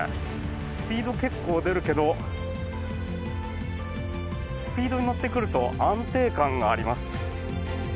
スピード結構出るけどスピードに乗ってくると安定感があります。